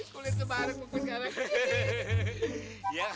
kulit kebareng pokoknya sekarang